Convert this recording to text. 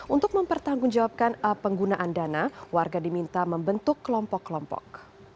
untuk mempertanggungjawabkan penggunaan dana warga diminta membentuk kelompok kelompok